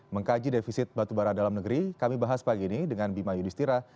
mengkaji defisit batubara dalam negeri kami bahas pagi ini dengan bima yudhistira